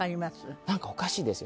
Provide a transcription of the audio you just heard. なんかおかしいですよね。